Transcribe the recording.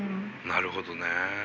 なるほどね。